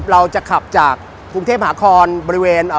เราจะขับจากภูมเทศหาคลบริเวณ